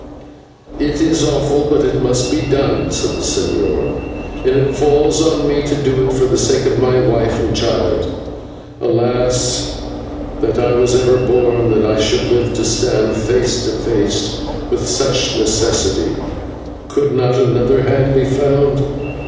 "It is awful, but it must be done," said the señor, "and it falls on me to do it for the sake of my wife and child. Alas! that I was ever born, that I should live to stand face to face with such necessity. Could not another hand be found?